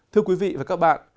thưa quý vị và các bạn